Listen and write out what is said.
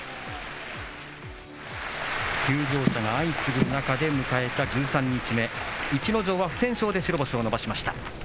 休場者が相次ぐ中で迎えた１３日目、逸ノ城は不戦勝で白星を伸ばしました。